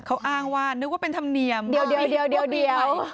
เขาอ้างว่านึกว่าเป็นธรรมเนียมเดี๋ยว